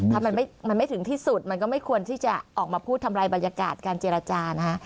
ถ้ามันไม่ถึงที่สุดมันก็ไม่ควรที่จะออกมาพูดทำลายบรรยากาศการเจรจานะฮะ